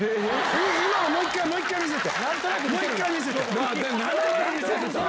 今のもう一回、もう一回見せて。